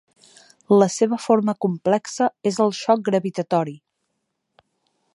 La seva forma completa és el xoc gravitatori.